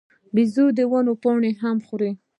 بیزو د ونو پاڼې هم خوري.